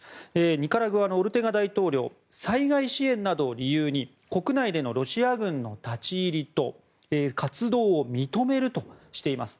ニカラグアのオルテガ大統領災害支援などを理由に国内でのロシア軍の立ち入りと活動を認めるとしています。